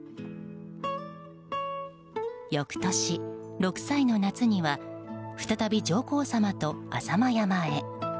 翌年、６歳の夏には再び上皇さまと浅間山へ。